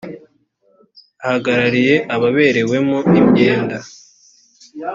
ahagarariye ababerewemo imyenda